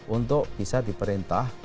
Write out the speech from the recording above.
untuk bisa diperintah